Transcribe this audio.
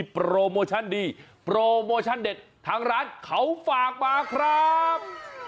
โปรโมชั่นดีโปรโมชั่นเด็ดทางร้านเขาฝากมาครับ